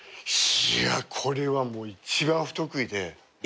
いやこれはもう一番不得意で。